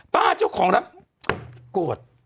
ป้าเจ้าของแล้วโกรธ